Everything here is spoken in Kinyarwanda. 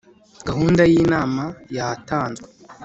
gahunda yinama yatanzwe.